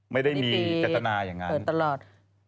ไม่ได้มีจตนาอย่างงั้นนี่ปีดขื่นตลอด